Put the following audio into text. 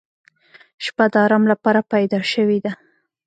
• شپه د آرام لپاره پیدا شوې ده.